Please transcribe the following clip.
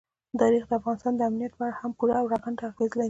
تاریخ د افغانستان د امنیت په اړه هم پوره او رغنده اغېز لري.